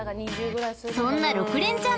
［そんな６連ちゃん